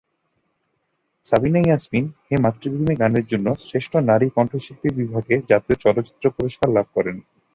সাবিনা ইয়াসমিন "হে মাতৃভূমি" গানের জন্য শ্রেষ্ঠ নারী কণ্ঠশিল্পী বিভাগে জাতীয় চলচ্চিত্র পুরস্কার লাভ করেন।